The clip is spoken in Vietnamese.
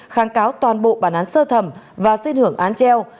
kháng cáo toàn bộ bản án sơ thẩm và xét hưởng án treo